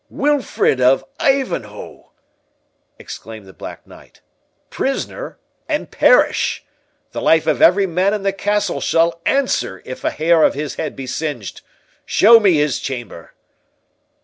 "Wilfred of Ivanhoe!" exclaimed the Black Knight—"prisoner, and perish!—The life of every man in the castle shall answer it if a hair of his head be singed—Show me his chamber!"